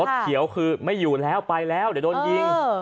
เขียวคือไม่อยู่แล้วไปแล้วเดี๋ยวโดนยิง